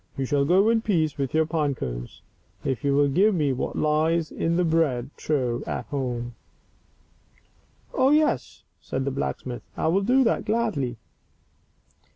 You shall go in peace with your pine cones if you will give me what lies in the bread trough at home." " Oh, yes." said the blacksmith, " I will do that gladly."